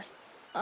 あ。